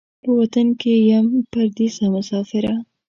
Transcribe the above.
په وطن کې یم پردېسه مسافره